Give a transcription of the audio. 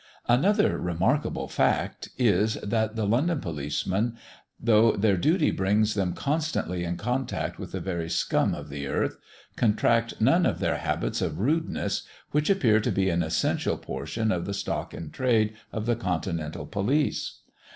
Another remarkable fact is, that the London policemen, though their duty brings them constantly in contact with the very scum of the earth, contract none of their habits of rudeness, which appear to be an essential portion of the stock in trade of the continental police.